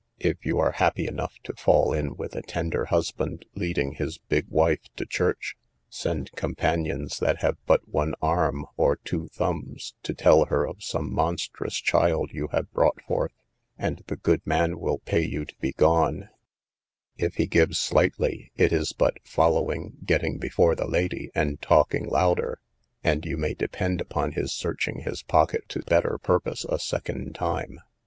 If you are happy enough to fall in with a tender husband leading his big wife to church, send companions that have but one arm, or two thumbs, or tell her of some monstrous child you have brought forth, and the good man will pay you to be gone, if he gives slightly, it is but following, getting before the lady, and talking louder, and you may depend upon his searching his pocket to better purpose a second time.